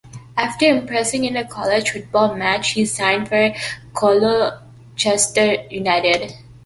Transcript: After impressing in a college football match, he signed for Colchester United.